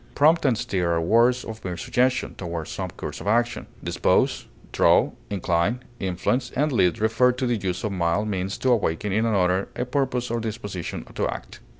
Prompt and stir are words of mere suggestion toward some course of action; dispose, draw, incline, influence, and lead refer to the use of mild means to awaken in another a purpose or disposition to act.